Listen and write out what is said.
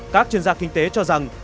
các chuyên gia kinh tế cho rằng